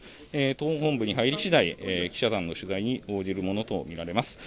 党本部に入りしだい記者団の取材に応じるものと見られます。